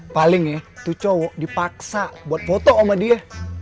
palingnya tuh cowok dipaksa buat foto sama dia